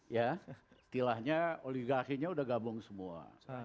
ya setilahnya oligarkinya sudah gabung semua